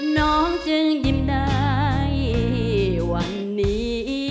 น้องจึงยิ้มได้วันนี้